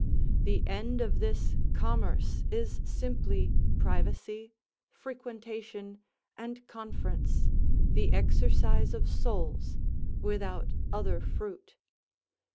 The end of this commerce is simply privacy, frequentation and conference, the exercise of souls, without other fruit.